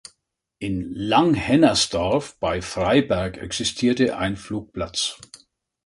In Langhennersdorf bei Freiberg existierte ein Flugplatz.